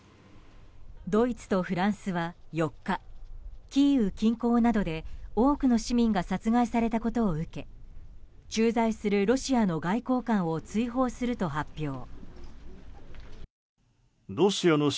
ドイツとフランスは４日キーウ近郊などで多くの市民が殺害されたことを受け駐在するロシアの外交官を追放すると発表。